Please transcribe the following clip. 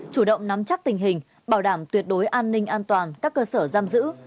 chủ động nắm chắc tình hình bảo đảm tuyệt đối an ninh an toàn các cơ sở giam giữ